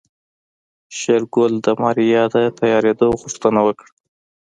شېرګل د ماريا د تيارېدو غوښتنه وکړه.